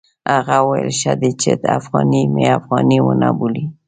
هغه وویل ښه دی چې افغاني مې افغاني ونه بولي.